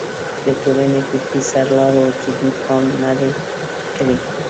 د ټولنې فکري سرلارو جدي پام نه دی کړی.